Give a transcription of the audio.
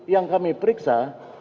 yang kami periksa